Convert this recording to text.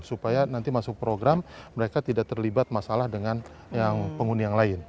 supaya nanti masuk program mereka tidak terlibat masalah dengan penghuni yang lain